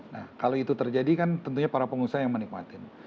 nah kalau itu terjadi kan tentunya para pengusaha yang menikmatin